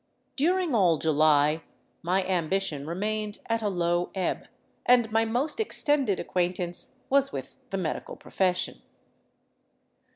During all July my ambition remained at a low ebb, and my most extended acquaintance was with the medical profession.